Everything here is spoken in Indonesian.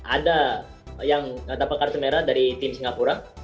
ada yang mendapatkan kartu merah dari tim singapura